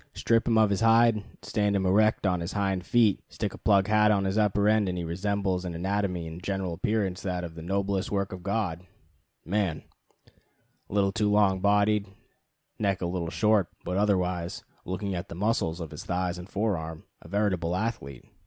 Strip him of his hide, stand him erect on his hind feet, stick a plug hat on his upper end, and he resembles in anatomy and general appearance that "noblest work of God" man: a little too long bodied, neck a little short, but otherwise, looking at the muscles of his thighs and forearm, a veritable athlete.